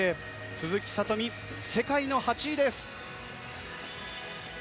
鈴木聡美、世界の８位です。